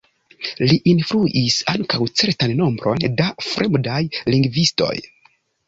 Li influis ankaŭ certan nombron da fremdaj lingvistoj.